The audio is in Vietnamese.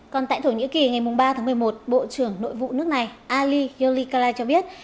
còn tại thổ nhĩ kỳ ngày ba tháng một mươi một bộ trưởng nội vụ nước này ali yolikala cho biết